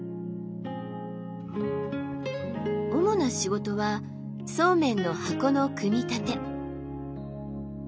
主な仕事はそうめんの箱の組み立て。